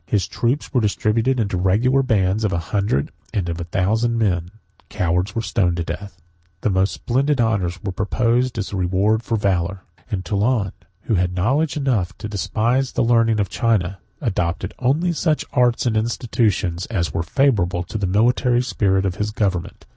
His troops were distributed into regular bands of a hundred and of a thousand men; cowards were stoned to death; the most splendid honors were proposed as the reward of valor; and Toulun, who had knowledge enough to despise the learning of China, adopted only such arts and institutions as were favorable to the military spirit of his government.